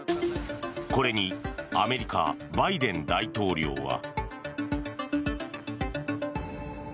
これにアメリカ、バイデン大統領は。